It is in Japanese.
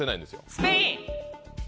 スペイン。